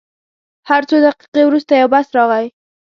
هر څو دقیقې وروسته یو بس راغی.